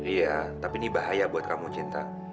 iya tapi ini bahaya buat kamu cinta